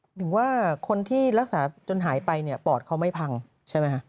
ถึงว่าคนที่รักษาจนหายไปเนี่ยปอดเขาไม่พังใช่ไหมฮะ